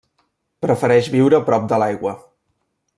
Prefereix viure prop de l'aigua.